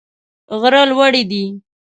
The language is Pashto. غره لوړي دي.